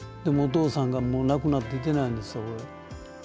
でもお父さんがもう亡くなっていてないんですよこれ。